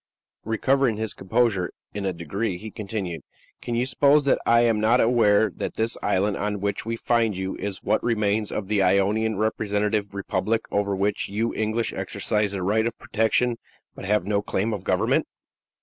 Recovering his composure in a degree, he continued: "Can you suppose that I am not aware that this island on which we find you is what remains of the Ionian representative republic, over which you English exercise the right of protection, but have no claim of government?"